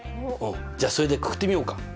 じゃあそれでくくってみようか。